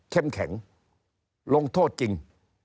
เข้มแข็งลงโทษจริง